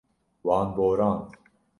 Wan borand.